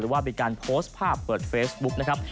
ว่ามีการโพสต์ภาพเปิดเฟซบุ๊กนะครับ